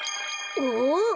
お。